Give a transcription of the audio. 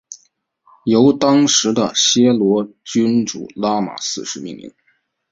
由当时的暹罗君主拉玛四世命名。